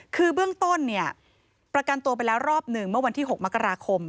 คือเบื้องต้นเนี่ยประกันตัวไปแล้วรอบหนึ่งเมื่อวันที่๖มกราคม